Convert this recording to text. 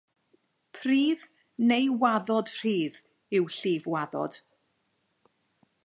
Pridd neu waddod rhydd yw Llifwaddod.